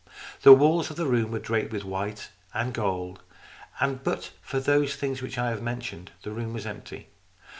The walls of the room were draped with white and gold, and but for those things which I have mentioned, the room was empty.